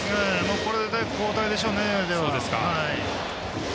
これで交代でしょうね。